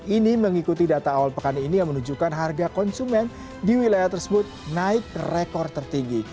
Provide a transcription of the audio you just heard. ini mengikuti data awal pekan ini yang menunjukkan harga konsumen di wilayah tersebut naik rekor tertinggi